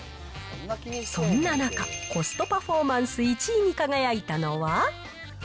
そんな中、コストパフォーマンス１位に輝いたのは。